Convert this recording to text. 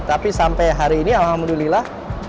tapi sampai hari ini alhamdulillah